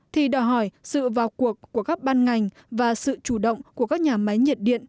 thì đòi hỏi sự vào cuộc của các ban ngành và sự chủ động của các nhà máy nhiệt điện